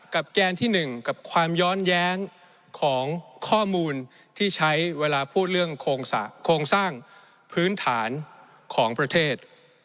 แกนที่๑กับความย้อนแย้งของข้อมูลที่ใช้เวลาพูดเรื่องโครงสร้างพื้นฐานของประเทศ